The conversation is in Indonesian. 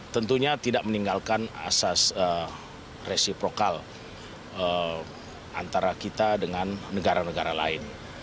tentunya tidak meninggalkan asas resiprokal antara kita dengan negara negara lain